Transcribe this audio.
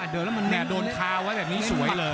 เดินแล้วมันโดนคาไว้แบบนี้สวยเลย